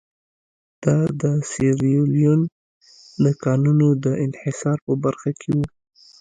دا د سیریلیون د کانونو د انحصار په برخه کې وو.